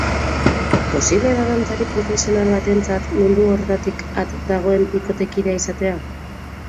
Posiblea da dantzari profesional batentzat mundu horretatik at dagoen bikotekidea izatea?